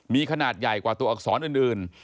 มีขนาดใหญ่กว่าตัวอักษรอื่น